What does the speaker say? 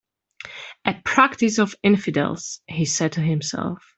"A practice of infidels," he said to himself.